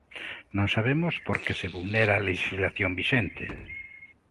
Non sabemos por que se vulnera a lexislación vixente.